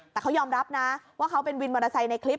แต่เขายอมรับนะว่าเขาเป็นวินมอเตอร์ไซค์ในคลิป